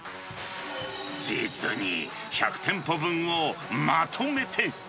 実に１００店舗分をまとめて。